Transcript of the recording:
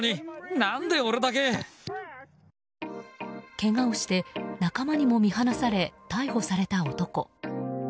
けがをして、仲間にも見放され逮捕された男。